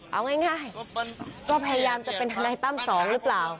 เอาง่ายก็พยายามจะเป็นทนายตั้มสองหรือเปล่า